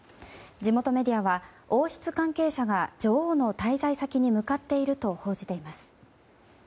地元メディアは王室関係者が女王の滞在先に向かっていると報じています。